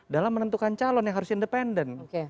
dalam menentukan calon yang harus independen